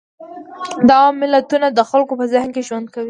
دا ملتونه د خلکو په ذهن کې ژوند کوي.